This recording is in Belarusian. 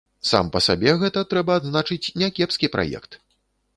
Сам па сабе гэта, трэба адзначыць, някепскі праект.